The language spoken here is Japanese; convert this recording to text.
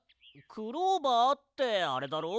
クローバーってあれだろ？